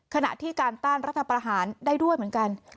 ขณะที่การต้านรัฐประหารได้ด้วยเหมือนกัน